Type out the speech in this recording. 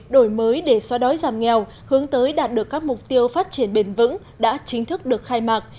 đổi mới để xóa đói giảm nghèo hướng tới đạt được các mục tiêu phát triển bền vững đã chính thức được khai mạc